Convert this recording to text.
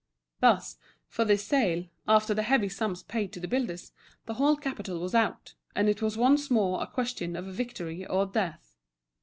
Thus, for this sale, after the heavy sums paid to the builders, the whole capital was out, and it was once more a question of victory or death.